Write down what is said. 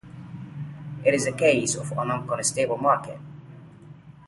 It is a case of a non-contestable market.